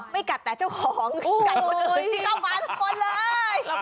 กัดแต่เจ้าของกัดคนอื่นที่เข้ามาทุกคนเลย